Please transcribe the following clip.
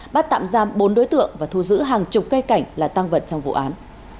bắt tạm giam bốn đối tượng và thu giữ hàng chục cây cảnh là tăng vật trong vụ án